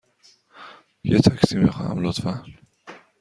یه تاکسی می خواهم، لطفاً.